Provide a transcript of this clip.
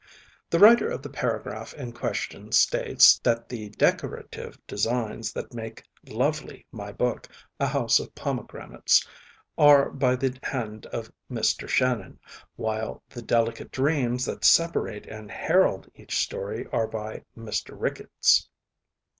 The writer of the paragraph in question states that the decorative designs that make lovely my book, A House of Pomegranates, are by the hand of Mr. Shannon, while the delicate dreams that separate and herald each story are by Mr. Ricketts.